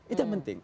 itu yang penting